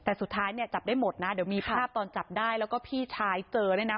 แต่สุดท้ายเนี่ยจับได้หมดนะเดี๋ยวมีภาพตอนจับได้แล้วก็พี่ชายเจอเนี่ยนะ